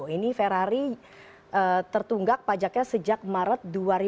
ini ferrari tertunggak pajaknya sejak maret dua ribu dua puluh